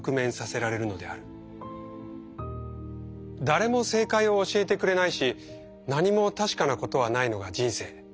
誰も正解を教えてくれないし何も確かなことはないのが人生。